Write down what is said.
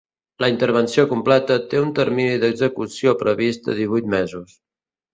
La intervenció completa té un termini d’execució previst de divuit mesos.